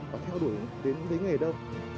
và theo đuổi đến với nghề đâu